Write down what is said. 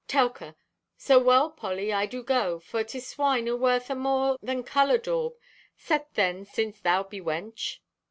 (Telka) "So well, Polly, I do go, for 'tis swine o' worth amore than color daub. Set thee, since thou be wench."